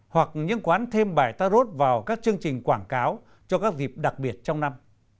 hoặc những quán thêm bài tarot vào các chương trình quảng cáo cho các dịp đặc biệt trong năm